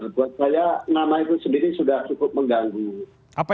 buat saya nama itu sendiri sudah cukup mengganggu